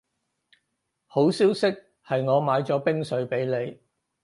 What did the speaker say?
好消息係我買咗冰水畀你